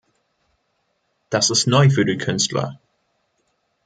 Das ist neu für die Künstler.